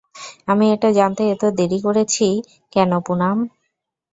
আমি এটা জানতে এতো দেরি করেছি কেন, পুনাম?